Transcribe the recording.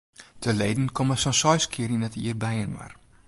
De leden komme sa'n seis kear yn it jier byinoar.